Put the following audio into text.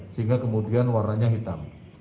sehingga kemudian warnanya hitam